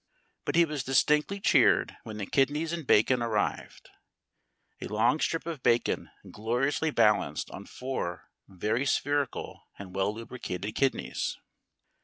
But he was distinctly cheered when the kidneys and bacon arrived a long strip of bacon gloriously balanced on four very spherical and well lubricated kidneys.